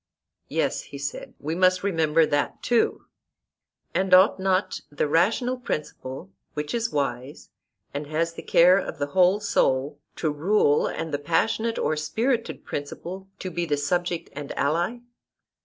Yes, he said, we must remember that too. And ought not the rational principle, which is wise, and has the care of the whole soul, to rule, and the passionate or spirited principle to be the subject and ally?